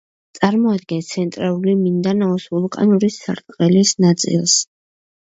წარმოადგენს ცენტრალური მინდანაოს ვულკანური სარტყელის ნაწილს.